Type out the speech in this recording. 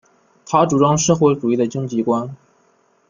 他主张社会主义的经济观。